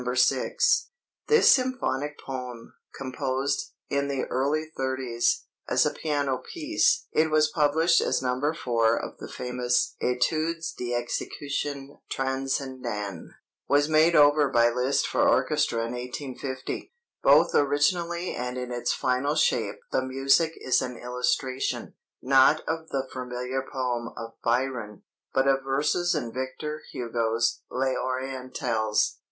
6) This symphonic poem, composed, in the early thirties, as a piano piece (it was published as No. 4 of the famous Études d'exécution transcendante), was made over by Liszt for orchestra in 1850. Both originally and in its final shape the music is an illustration, not of the familiar poem of Byron, but of verses in Victor Hugo's Les Orientales.